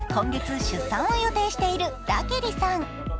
こちらは今月出産を予定しているラケリさん。